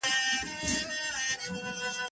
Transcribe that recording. د سندرو سره غبرګي وايي ساندي